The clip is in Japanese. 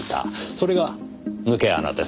それが抜け穴です。